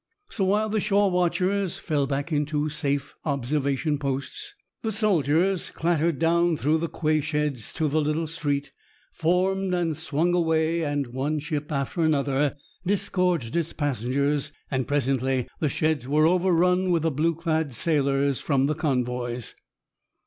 So, while the shore watchers fell back into safe observation posts, the soldiers clattered down through the quay sheds to the little street, formed and swung away, and one ship after another disgorged its passengers, and presently the sheds were overrun with the blue clad sailors from the convoys.